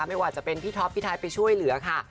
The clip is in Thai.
ไม่ว่าจะเป็นพี่ท็อปพี่ไทยไปช่วยเหลือค่ะ